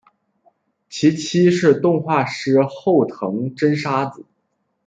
其妻是动画师后藤真砂子。